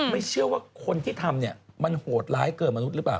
ไม่เชื่อว่าคนที่ทำเนี่ยมันโหดร้ายเกินมนุษย์หรือเปล่า